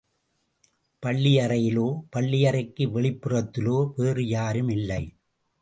பள்ளியறையிலோ, பள்ளியறைக்கு வெளிப்புறத்திலோ வேறு யாரும் இல்லை.